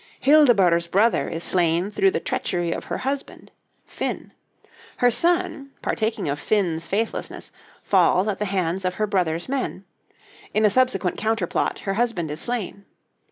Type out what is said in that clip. Hildeburh's brother is slain through the treachery of her husband, Finn; her son, partaking of Finn's faithlessness, falls at the hands of her brother's men; in a subsequent counterplot, her husband is slain.